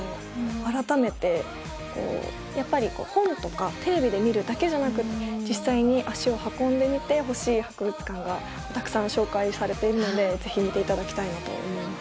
改めてこうやっぱりこう本とかテレビで見るだけじゃなく実際に足を運んでみてほしい博物館がたくさん紹介されているので是非見ていただきたいなと思います。